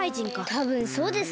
たぶんそうですね。